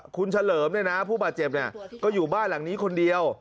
คุณเฉลิมเนี่ยนะผู้บาดเจ็บก็อยู่บ้านหลังนี้คนเดียว